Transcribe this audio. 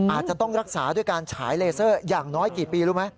อาจจะต้องรักษาด้วยการฉายเลเซอร์อย่างน้อยกี่ปีรู้ไหม